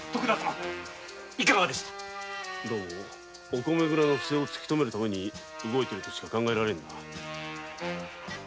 御米蔵の不正を突き止めるため動いているとしか考えられん。